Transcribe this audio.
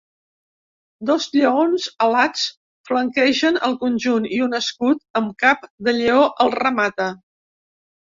Dos lleons alats flanquegen el conjunt i un escut amb cap de lleó el remata.